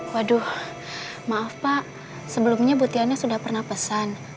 waduh maaf pak sebelumnya bu tiana sudah pernah pesan